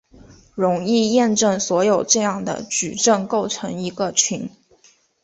容易验证所有这样的矩阵构成一个群。